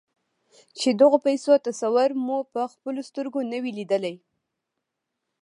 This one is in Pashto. چې د غو پيسو تصور مو پهخپلو سترګو نه وي ليدلی.